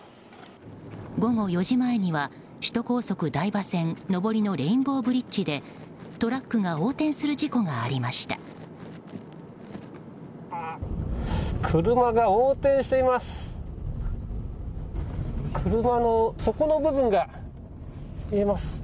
午後４時前には首都高速台場線上りのレインボーブリッジでトラックが横転する事故が車が横転しています。